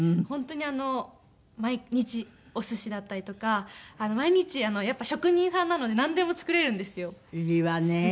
本当に毎日おすしだったりとか毎日やっぱり職人さんなのでなんでも作れるんですよ。いいわね。